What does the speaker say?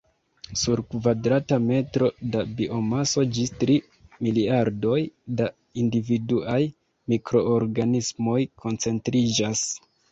Sur kvadrata metro da biomaso ĝis tri miliardoj da individuaj mikroorganismoj koncentriĝas.